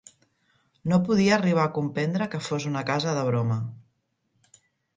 No podia arribar a comprendre que fos una casa de broma.